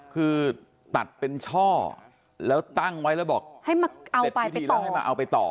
คือตัดเป็นช่อแล้วตั้งไว้แล้วบอกให้มาเอาไปพิธีแล้วให้มาเอาไปต่อ